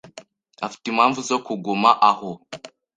Afite impamvu zo kuguma aho.